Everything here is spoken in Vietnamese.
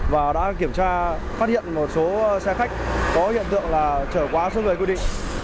và đã kiểm tra phát hiện một số xe khách có hiện tượng là trở quá số người quy định